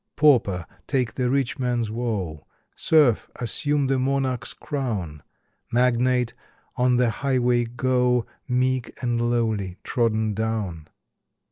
Pauper take the rich man's woe; Serf assume the Monarch's crown; Magnate on the highway go Meek and lowly, trodden down.